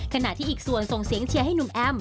ขณะที่อีกส่วนส่งเสียงเชียร์ให้หนุ่มแอม